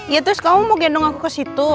ya terus kamu mau gendong aku kesitu